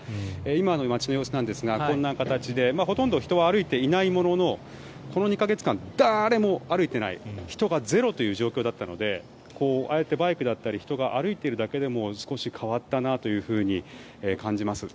今の街の様子なんですがこんな形でほとんど人は歩いていないもののこの２か月間、誰も歩いていない人がゼロという状況だったのでああやってバイクだったり人が歩いているだけでも少し変わったなというふうに感じます。